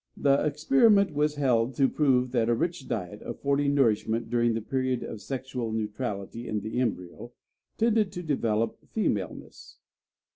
The experiment was held to prove that a rich diet, affording nourishment, during the period of sexual neutrality in the embryo, tended to develop femaleness.